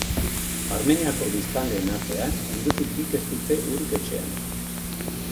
Armeniako biztanleen artean hirutik bik ez dute urik etxean.